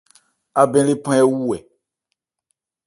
Abɛn lephan ɛ wu ɛ̀ ?